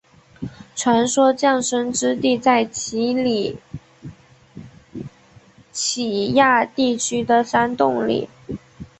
传说降生之地在奇里乞亚地区的山洞里。